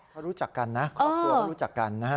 เขารู้จักกันนะครอบครัวเขารู้จักกันนะฮะ